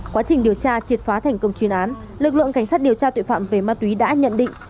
quá trình điều tra triệt phá thành công chuyên án lực lượng cảnh sát điều tra tội phạm về ma túy đã nhận định